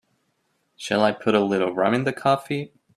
Shall I put a little rum in the coffee?